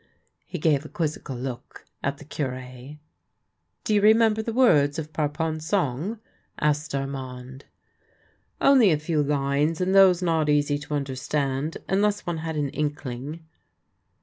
He gave a quizzical look at the Cure. " Do you remember the words of Parpon's song? " asked Armand. " Only a few lines ; and those not easy to understand, unless one had an inkling."